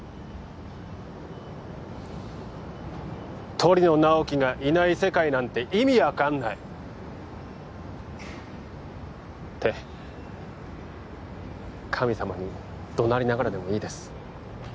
鳥野直木がいない世界なんて意味分かんないって神様にどなりながらでもいいです